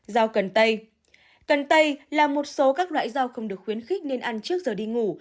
rau cần tây cần tây là một số các loại rau không được khuyến khích nên ăn trước giờ đi ngủ